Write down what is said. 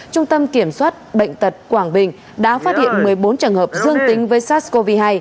trung tâm kiểm soát bệnh tật quảng bình đã phát hiện một mươi bốn trường hợp dương tính với sars cov hai